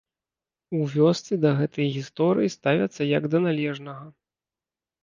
У вёсцы да гэтай гісторыі ставяцца як да належнага.